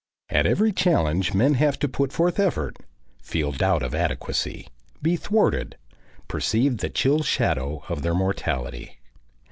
At every challenge men have to put forth effort, feel doubt of adequacy, be thwarted, perceive the chill shadow of their mortality.